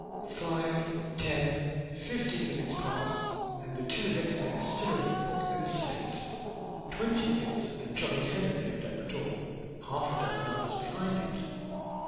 Five ten fifteen minutes passed and the two heads bent still over book and slate. Twenty minutes, and Johnny's head appeared at the door, half a dozen others behind it.